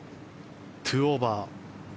２オーバー。